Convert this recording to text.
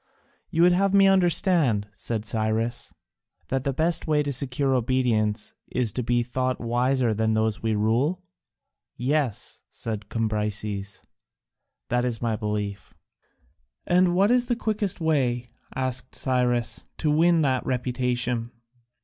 "You would have me understand," said Cyrus, "that the best way to secure obedience is to be thought wiser than those we rule?" "Yes," said Cambyses, "that is my belief." "And what is the quickest way," asked Cyrus, "to win that reputation?"